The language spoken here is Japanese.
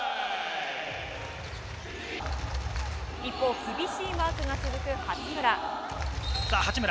一方、厳しいマークが続く八村。